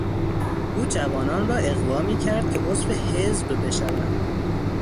او جوانان را اغوا میکرد که عضو حزب بشوند.